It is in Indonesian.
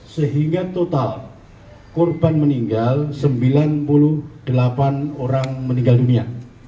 sehingga total korban meninggal sembilan puluh delapan orang meninggal dunia